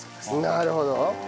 なるほど。